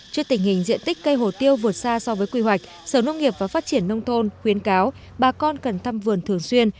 trước tình hình diện tích cây hổ tiêu vượt xa so với quy hoạch sở nông nghiệp và phát triển nông thôn khuyến cáo bà con cần thăm vườn thường xuyên